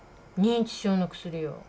認知症の薬よ。